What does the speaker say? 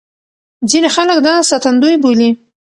ځينې خلک دا ساتندوی بولي.